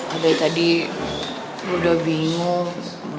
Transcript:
padahal tadi lo udah bingung